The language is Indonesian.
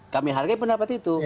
kami hargai pendapat itu